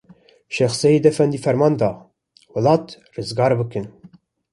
Şex Seîd efendî ferman da, welêt rizgar bikin.